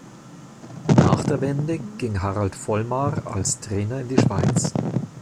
Nach der Wende ging Harald Vollmar als Trainer in die Schweiz.